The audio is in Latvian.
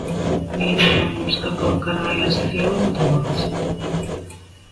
Vienam no mums kaklā karājās krievu automāts.